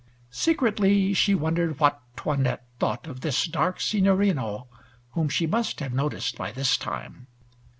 Secretly, she wondered what 'Toinette thought of this dark Signorino whom she must have noticed by this time.